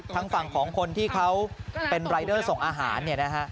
ทางฝั่งของคนที่เขาเป็นรายเดอร์ส่งอาหารเนี่ยนะฮะ